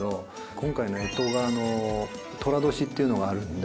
今回の干支が寅年っていうのがあるんで。